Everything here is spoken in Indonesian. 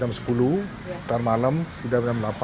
siang sekitar jam sepuluh malam sekitar jam delapan